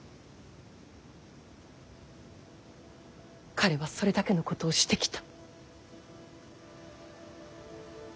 彼はそれだけのことをしてきた。